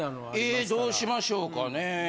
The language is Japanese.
えぇどうしましょうかね。